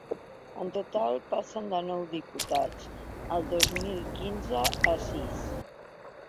En total, passen de nou diputats el dos mil quinze a sis.